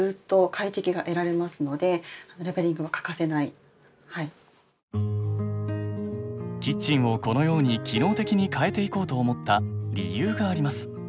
手間ではあるんですけれどもキッチンをこのように機能的に変えていこうと思った理由があります。